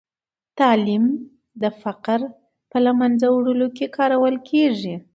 تعلیم د فقر په له منځه وړلو کې کارول کېږي.